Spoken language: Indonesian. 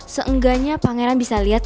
seenggaknya pangeran bisa liat